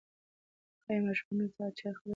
ایا ماشومانو نن سهار چای خوړلی دی؟